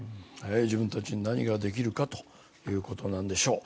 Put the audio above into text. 自分たちに何ができるかということなんでしょう。